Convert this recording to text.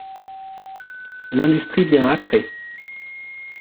L'industrie vient après.